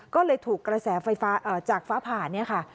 ก็เลยถูกกระแสจากฟ้าผ่านี่ค่ะ